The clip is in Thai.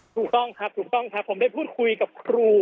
ถูกต้องครับถูกต้องครับผมได้พูดคุยกับครู